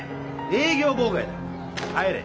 営業妨害だ。